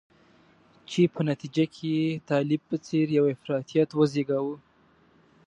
چې په نتیجه کې یې طالب په څېر یو افراطیت وزیږاوه.